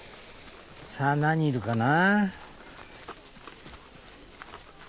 さぁ何いるかな？